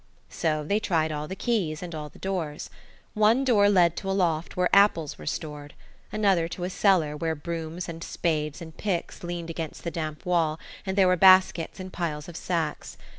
So they tried all the keys and all the doors. One door led to a loft where apples were stored. Another to a cellar, where brooms and spades and picks leaned against the damp wall, and there were baskets and piles of sacks.